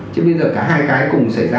chứ bây giờ cả hai cái cùng xảy ra